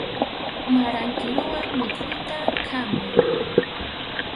Maran kiruwan mikhuyta khamuy.